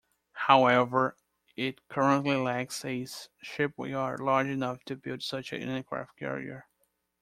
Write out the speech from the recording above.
However, it currently lacks a shipyard large enough to build such an aircraft carrier.